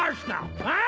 あ！